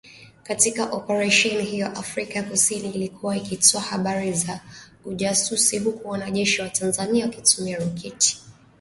Katika Oparesheni hiyo Afrika kusini ilikuwa ikitoa habari za ujasusi huku wanajeshi wa Tanzania wakitumia roketi